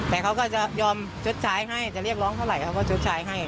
แต่เขาก็จะยอมชดใช้ให้จะเรียกร้องเท่าไหร่เขาก็ชดใช้ให้